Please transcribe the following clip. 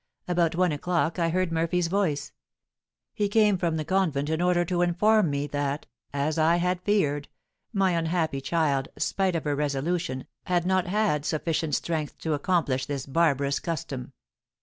About one o'clock I heard Murphy's voice. He came from the convent in order to inform me that, as I had feared, my unhappy child, spite of her resolution, had not had sufficient strength to accomplish this barbarous custom.